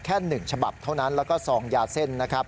แค่๑ฉบับเท่านั้นแล้วก็๒ยาเซ่น